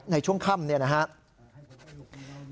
ในช่วงค่ำนะครับ